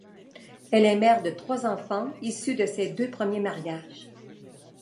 Elle est mère de trois enfants, issus de ses deux premiers mariages.